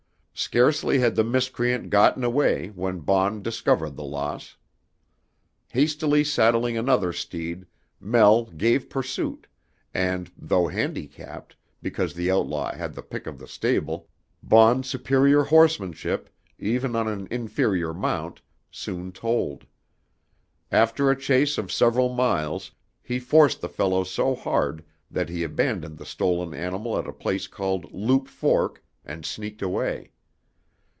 Scarcely had the miscreant gotten away when Baughn discovered the loss. Hastily saddling another steed, "Mel" gave pursuit, and though handicapped, because the outlaw had the pick of the stable, Baughn's superior horsemanship, even on an inferior mount, soon told. After a chase of several miles, he forced the fellow so hard that he abandoned the stolen animal at a place called Loup Fork, and sneaked away.